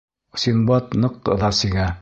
Синдбад ныҡ ыҙа сигә.